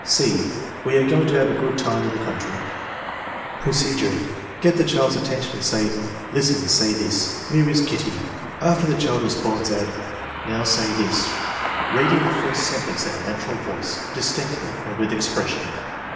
(c) " We are going to have a good time in the country" Procedure. Get the child's attention and say: "Listen, say this: ' Where is Idtty f '" After the child responds, add: " Now say this ...," reading the first sentence in a natural voice, distinctly and with expression.